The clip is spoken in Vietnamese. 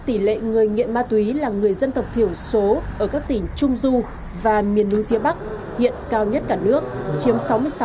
tỷ lệ người nghiện ma túy là người dân tộc thiểu số ở các tỉnh trung du và miền núi phía bắc hiện cao nhất cả nước chiếm sáu mươi sáu